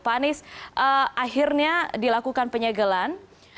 pak anies akhirnya dilakukan penyegelan